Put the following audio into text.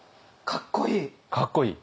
かっこいい？